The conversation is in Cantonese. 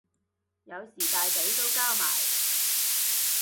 有時大髀都交埋